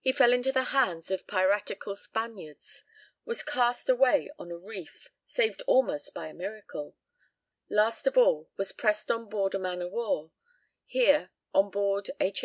He fell into the hands of piratical Spaniards, was cast away on a reef, saved almost by a miracle, last of all was pressed on board a man of war. Here, on board H.